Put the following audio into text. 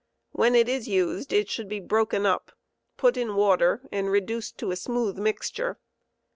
When it is ^ used it should be broken up, put in water, and reduced to a smooth mixture.